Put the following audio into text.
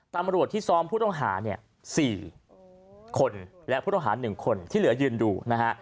ตำรวจที่ซ้อมผู้ต้องหาเนี่ย๔คนและผู้ต้องหา๑คนที่เหลือยืนดูนะฮะ